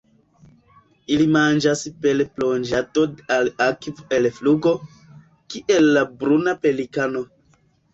Ili manĝas per plonĝado al akvo el flugo, kiel la Bruna pelikano.